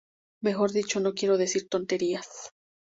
Mejor dicho, no quiero decir tonterías.